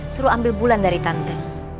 suruh ambil bulan dari tante